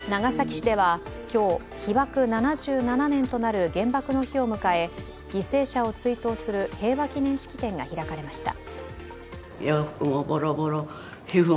長崎市では今日、被爆７７年となる原爆の日を迎え犠牲者を追悼する平和祈念式典が開かれました。